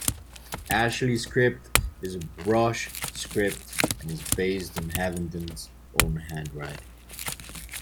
Ashley Script is a brush script and is based on Havinden's own handwriting.